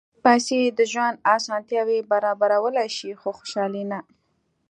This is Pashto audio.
پېسې د ژوند اسانتیاوې برابرولی شي، خو خوشالي نه.